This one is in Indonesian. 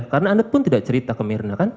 karena anda pun tidak cerita ke mirna kan